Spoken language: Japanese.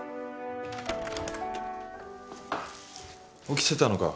起きてたのか。